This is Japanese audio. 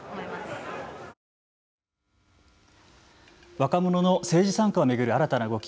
若者の政治参加を巡る新たな動き。